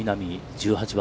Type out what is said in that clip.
１８番。